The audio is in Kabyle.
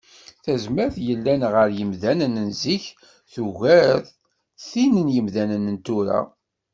Tazmert yellan ɣer yemdanen n zik, tugart tin n yemdanen n tura